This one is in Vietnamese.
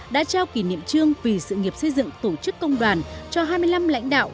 đã trao kỷ niệm trương vì sự nghiệp xây dựng tổ chức công đoàn cho hai mươi năm lãnh đạo